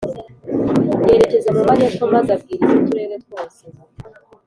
Yerekeza mu majyepfo maze abwiriza uturere twose